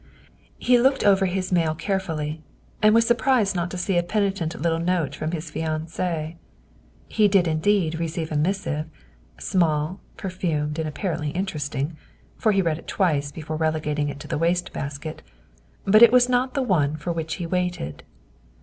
He looked over his mail carefully, and was surprised not to see a penitent little note from his fiancee. He did indeed receive a missive, small, perfumed, and ap parently interesting, for he read it twice before rele gating it to the waste basket, but it was not the one for which he waited.